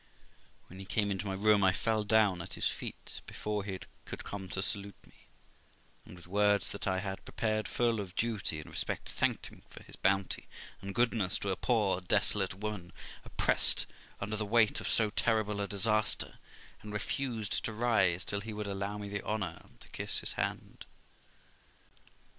When he came into my room, I fell down at his feet before he could come to salute me, and with words that I had prepared, full of duty and respect, thanked him for his bounty and goodness to a poor, desolate woman, oppressed under the weight of so terrible a disaster; and refused to rise till he would allow me the honour to kiss his hand.